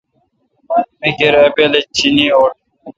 می کیر اؘ پیالہ چیں اوٹ۔